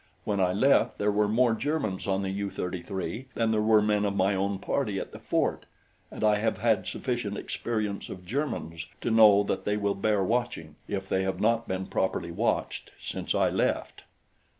When I left, there were more Germans on the U 33 than there were men of my own party at the fort, and I have had sufficient experience of Germans to know that they will bear watching if they have not been properly watched since I left."